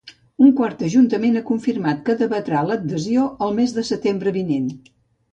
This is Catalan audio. Un quart ajuntament ha confirmat que debatrà l'adhesió el mes de setembre vinent.